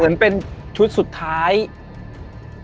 มันเป็นชุดสุดท้ายของเขา